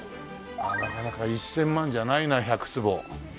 なかなか１０００万じゃないな１００坪。